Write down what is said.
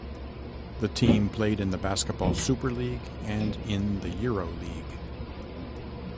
The team played in the Basketball Super League and in the Euroleague.